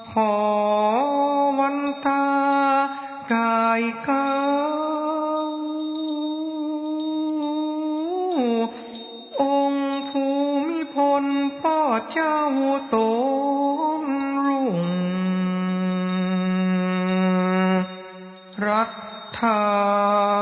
ขอวันตากายขาวองค์ภูมิพลพ่อเจ้าโตรุ่งรักทา